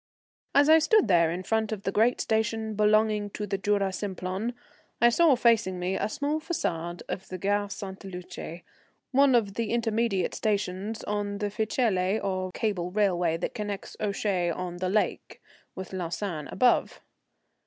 As I stood there in front of the great station belonging to the Jura Simplon, I saw facing me a small façade of the Gare Sainte Luce, one of the intermediate stations on the Ficelle or cable railway that connects Ouchy on the lake with Lausanne above.